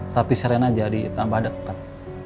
tapi serena jadi tambah dekat